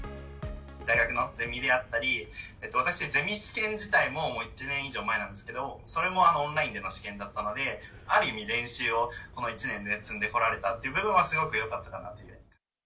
大学のゼミであったり、私、ゼミ試験自体も、１年以上前なんですけど、それもオンラインでの試験だったので、ある意味、練習をこの１年で積んでこられたという部分は、すごくよかったなっていう。